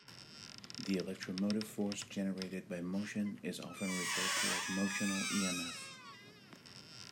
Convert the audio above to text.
The electromotive force generated by motion is often referred to as "motional emf".